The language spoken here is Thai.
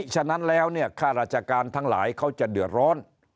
ฉะนั้นแล้วเนี่ยค่าราชการทั้งหลายเขาจะเดือดร้อน